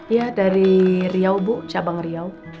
ya dari riau bu cabang riau